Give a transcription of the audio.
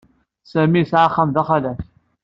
Sami yesɛa axxam d axlaf.